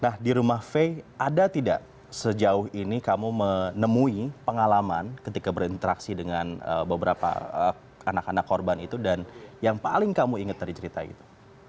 nah di rumah faye ada tidak sejauh ini kamu menemui pengalaman ketika berinteraksi dengan beberapa anak anak korban itu dan yang paling kamu inget dari cerita itu